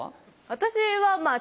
私は。